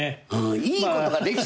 いいことができたら。